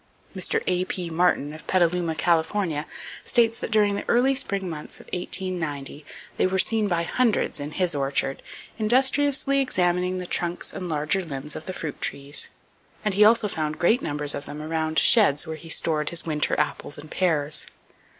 Mr. A.P. Martin of Petaluma, Cal., states that during the early spring months (of 1890) they were seen by hundreds in his orchard, industriously examining the trunks and larger limbs of the fruit trees; and he also found great numbers of them around sheds where he stored his winter apples and pears.